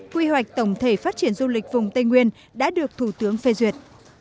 quy hoạch tổng thể phát triển du lịch vùng tây nguyên đã được thủ tướng phê duyệt